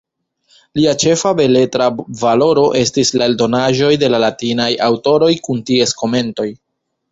Lia ĉefa beletra valoro estis la eldonaĵoj de la latinaj aŭtoroj kun ties komentoj.